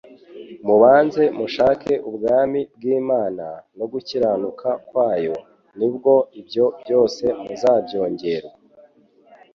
Mubanze mushake ubwami bw'Imana, no gukiranuka kwayo; ni bwo ibyo byose muzabyongerwa.